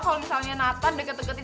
kalo misalnya nathan deket deketan